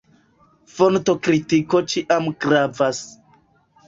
Fontokritiko ĉiam gravas.